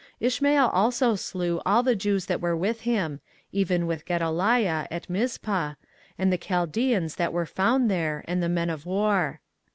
24:041:003 Ishmael also slew all the Jews that were with him, even with Gedaliah, at Mizpah, and the Chaldeans that were found there, and the men of war.